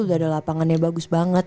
udah ada lapangannya bagus banget